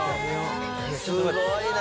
すごいな。